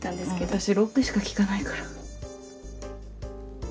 私ロックしか聴かないから。